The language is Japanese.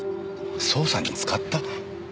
捜査に使った？